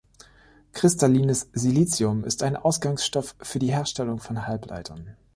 Kristallines Silicium ist ein Ausgangsstoff für die Herstellung von Halbleitern.